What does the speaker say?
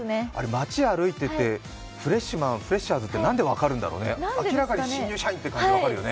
街を歩いていて、フレッシュマン、フレッシャーズってなんで分かるんだろうね、明らかに新入社員って感じがするんだよね。